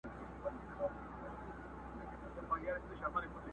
په هره څانګه هر پاڼه کي ویشتلی چنار،